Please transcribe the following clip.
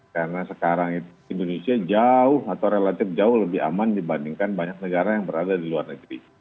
karena sekarang indonesia jauh atau relatif jauh lebih aman dibandingkan banyak negara yang berada di luar negeri